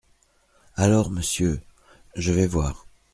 Alors, monsieur… je vais voir.